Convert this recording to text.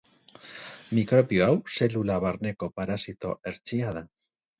Mikrobio hau zelula barneko parasito hertsia da.